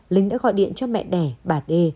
linh đã gọi điện cho mẹ đẻ bà đê